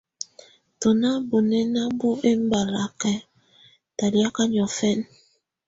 Tú ná búnɛ́ná bú ɛmbalakɛ̀ talakɛ̀á nɔ̀fɛna.